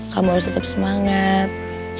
kamu harus tetep semangat